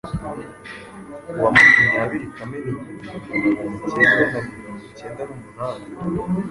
ku wa makumyabiri Kamena igihumbi maganacyenda na mirongo icyenda numunani